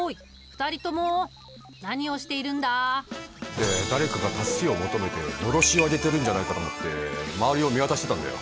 いや誰かが助けを求めて狼煙を上げてるんじゃないかと思って周りを見渡してたんだよ。